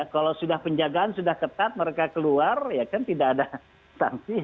kalau sudah penjagaan sudah ketat mereka keluar ya kan tidak ada sanksi